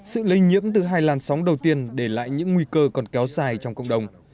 sự lây nhiễm từ hai làn sóng đầu tiên để lại những nguy cơ còn kéo dài trong cộng đồng